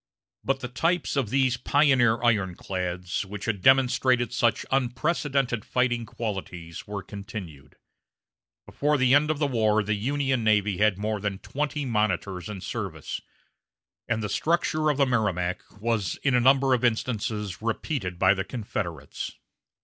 But the types of these pioneer ironclads, which had demonstrated such unprecedented fighting qualities, were continued. Before the end of the war the Union navy had more than twenty monitors in service; and the structure of the Merrimac was in a number of instances repeated by the Confederates.